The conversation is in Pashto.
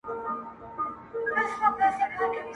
او که هسي شین امي نیم مسلمان یې؛